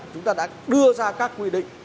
chúng ta đã đưa ra các quy định